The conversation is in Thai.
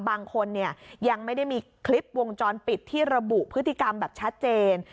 บางคนเนี่ยยังไม่ได้มีคลิปวงจรปิดที่ระบุพฤติกรรมแบบชัดเจน